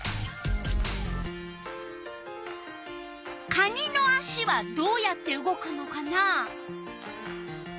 かにのあしはどうやって動くのかな？